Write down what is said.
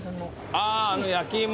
あーあの焼き芋？